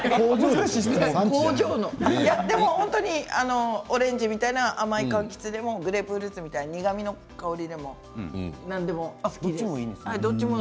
でも本当にオレンジみたいな甘い香りでもグレープフルーツみたいな苦みの香りでも何でもいいです。